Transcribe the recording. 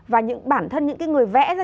và bản thân những người vẽ ra